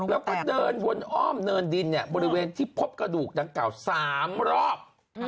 แล้วก็เดินวนอ้อมเนินดินบริเวณที่พบกระดูกดังกล่าว๓รอบ